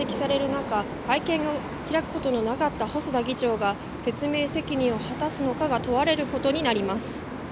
中会見を開くことのなかった細田議長が説明責任を果たすのかが問われることになります